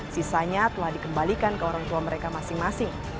sisanya telah dikembalikan ke orang tua mereka masing masing